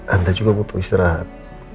anda juga butuh istirahat